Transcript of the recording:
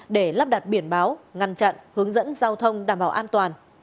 để lắp đặt biển báo ngăn chặn hướng dẫn giao thông đảm bảo an toàn